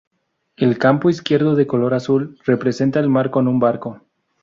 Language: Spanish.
El campo izquierdo de color azul representa el mar con un barco.